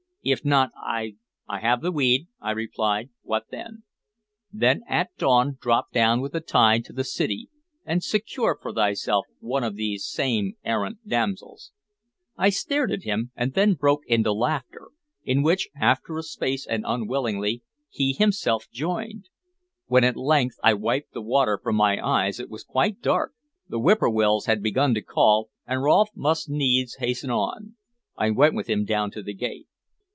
If not, I" "I have the weed," I replied. "What then?" "Then at dawn drop down with the tide to the city, and secure for thyself one of these same errant damsels." I stared at him, and then broke into laughter, in which, after a space and unwillingly, he himself joined. When at length I wiped the water from my eyes it was quite dark, the whippoorwills had begun to call, and Rolfe must needs hasten on. I went with him down to the gate.